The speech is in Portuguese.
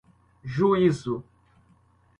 juízo